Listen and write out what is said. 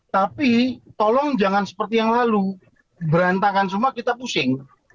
tapi tolong jangan seperti yang lalu berantakan semua kita pusing